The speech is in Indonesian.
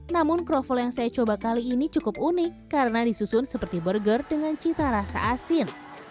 namun kroffel yang saya coba kali ini cukup unik karena disusun seperti burger dengan cita rasa asin